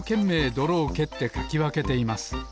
どろをけってかきわけています